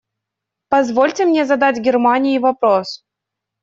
Позвольте мне задать Германии вопрос.